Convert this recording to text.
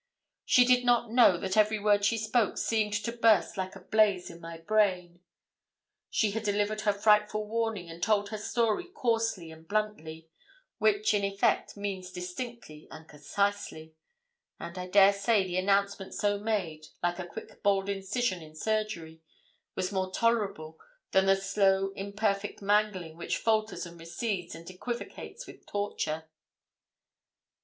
She did not know that every word she spoke seemed to burst like a blaze in my brain. She had delivered her frightful warning, and told her story coarsely and bluntly, which, in effect, means distinctly and concisely; and, I dare say, the announcement so made, like a quick bold incision in surgery, was more tolerable than the slow imperfect mangling, which falters and recedes and equivocates with torture.